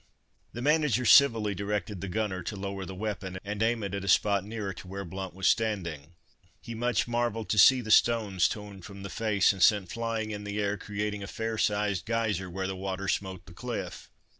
The manager civilly directed the "gunner" to lower the weapon, and aim it at a spot nearer to where Blount was standing. He much marvelled to see the stones torn from the "face" and sent flying in the air, creating a fair sized geyser where the water smote the cliff.